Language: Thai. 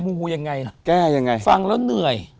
มูยังไงฟังแล้วเหนื่อย